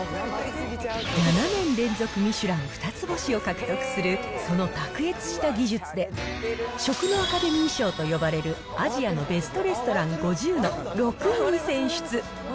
７年連続ミシュラン二つ星を獲得するその卓越した技術で、食のアカデミー賞と呼ばれるアジアのベストレストラン５０の６位に選出。